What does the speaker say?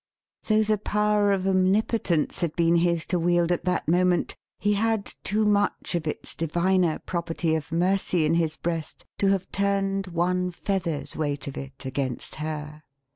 Though the power of Omnipotence had been his to wield at that moment, he had too much of its Diviner property of Mercy in his breast, to have turned one feather's weight of it against her.